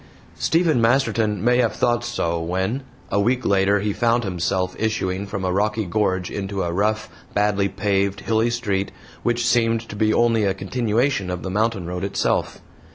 Stephen Masterton may have thought it so when, a week later, he found himself issuing from a rocky gorge into a rough, badly paved, hilly street, which seemed to be only a continuation of the mountain road itself.